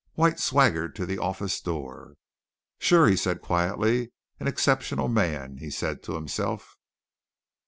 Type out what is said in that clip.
White swaggered to the office door. "Sure," he said quietly. "An exceptional man," he said to himself.